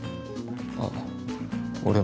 あっ俺も。